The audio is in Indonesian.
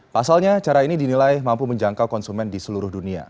pasalnya cara ini dinilai mampu menjangkau konsumen di seluruh dunia